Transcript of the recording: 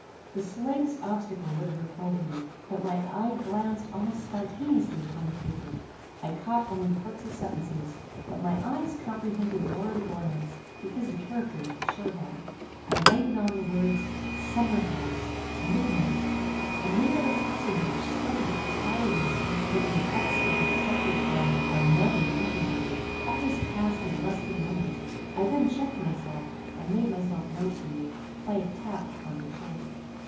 The slightest obstacle would have repelled me; but my eye glanced almost spontaneously upon the paper. I caught only parts of sentences; but my eyes comprehended more at a glance, because the characters were short hand. I lighted on the words SUMMER HOUSE, MIDNIGHT, and made out a passage which spoke of the propriety and of the effects to be expected from ANOTHER interview. All this passed in less than a moment. I then checked myself, and made myself known to you, by a tap upon your shoulder.